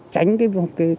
tránh các vấn đề